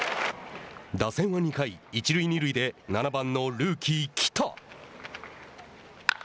打線は２回一塁二塁で７番のルーキー来田。